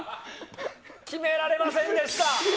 決められませんでした。